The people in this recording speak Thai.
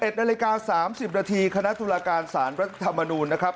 ๑นาฬิกา๓๐นาทีคณะตุลาการสารรัฐธรรมนูลนะครับ